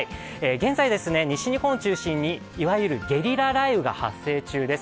現在西日本を中心にいわゆるゲリラ雷雨が発生中です。